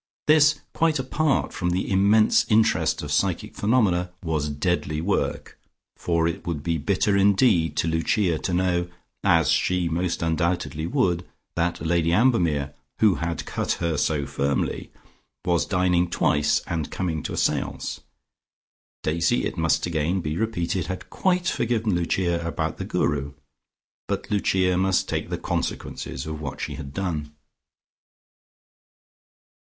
This quite apart from the immense interest of psychic phenomena was deadly work, for it would be bitter indeed to Lucia to know, as she most undoubtedly would, that Lady Ambermere, who had cut her so firmly, was dining twice and coming to a seance. Daisy, it must again be repeated, had quite forgiven Lucia about the Guru, but Lucia must take the consequences of what she had done.